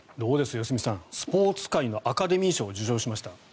良純さんスポーツ界のアカデミー賞を受賞しました。